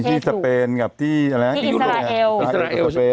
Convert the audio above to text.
มันมีที่ศาเบียนกับที่อินเตอร์ราเอล